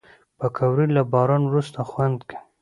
پکورې له باران وروسته خوند کوي